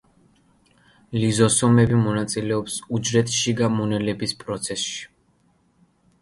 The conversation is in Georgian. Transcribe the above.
ლიზოსომები მონაწილეობს უჯრედშიგა მონელების პროცესში.